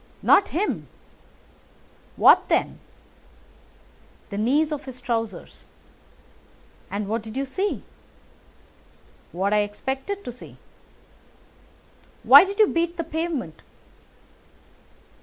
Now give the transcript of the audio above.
"Not him." "What then?" "The knees of his trousers." "And what did you see?" "What I expected to see." "Why did you beat the pavement?"